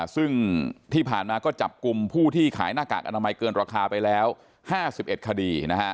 ซึ่งที่ผ่านมาก็จับกลุ่มผู้ที่ขายหน้ากากอนามัยเกินราคาไปแล้ว๕๑คดี